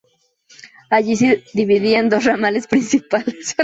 Allí se dividía en dos ramales principales.